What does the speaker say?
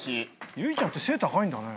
有以ちゃんって背高いんだね。